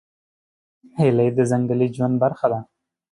هیلۍ د ځنګلي ژوند برخه ده